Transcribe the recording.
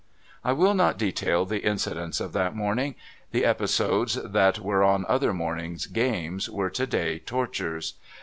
I will not detail the incidents of that morning. The episodes that were on other mornings games were today tortures.